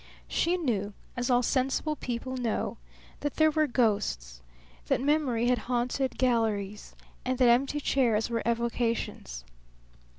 She knew, as all sensible people know, that there were ghosts, that memory had haunted galleries, and that empty chairs were evocations.